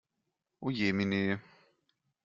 Oh jemine!